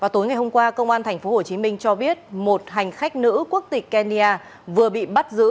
tối ngày hôm qua công an tp hcm cho biết một hành khách nữ quốc tịch kenya vừa bị bắt giữ